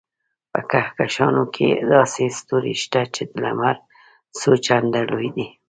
په کهکشانونو کې داسې ستوري شته چې د لمر څو چنده لوی دي.